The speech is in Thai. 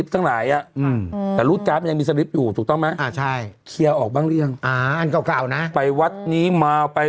ถ้าตาแดงเนี่ยโอ้อีทีก็อีทีเถอะ